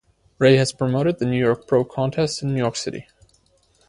Ray has Promoted the New York Pro contest in New York City.